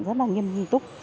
rất là nghiêm trúc